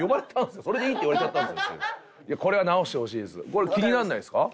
これ気にならないですか？